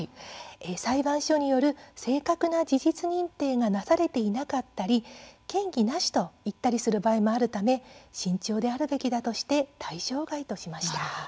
裁判所による正確な事実認定がなされていなかったり嫌疑なしといったりする場合もあるため慎重であるべきだとしました。